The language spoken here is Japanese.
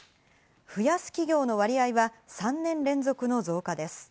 増やす企業の割合は３年連続の増加です。